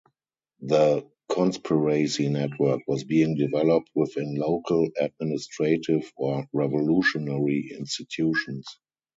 The conspiracy network was being developed within local administrative or revolutionary institutions.